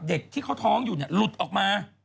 เด็กที่เขาท้องอยู่หลุดออกมา